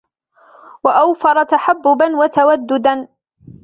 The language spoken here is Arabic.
وَأَوْفَرَ تَحَبُّبًا وَتَوَدُّدًا